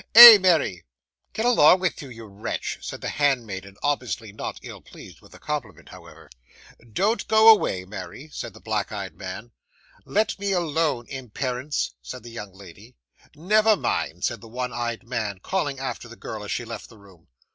Eh, Mary!' 'Get along with you, you wretch,' said the hand maiden, obviously not ill pleased with the compliment, however. 'Don't go away, Mary,' said the black eyed man. 'Let me alone, imperence,' said the young lady. 'Never mind,' said the one eyed man, calling after the girl as she left the room.